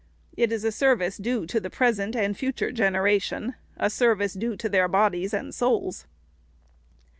It is a service due to the pres ent and future generation, — a service due to their bodies and souls."